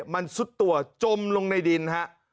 มันซุดตัวจมลงในดินฮะ